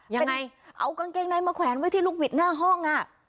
ยังไงเอากางเกงในมาแขวนไว้ที่ลูกบิดหน้าห้องอ่ะ